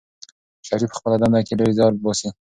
شریف په خپله دنده کې ډېر زیار باسي.